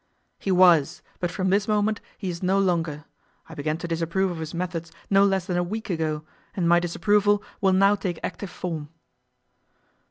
'He was, but from this moment he is no longer. I began to disapprove of his methods no less than a week ago, and my disapproval will now take active form.